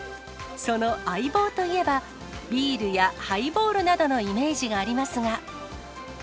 その相棒といえば、ビールやハイボールなどのイメージがありますが。